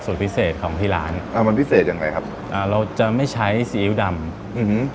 พิเศษของที่ร้านอ่ามันพิเศษยังไงครับอ่าเราจะไม่ใช้ซีอิ๊วดำอืม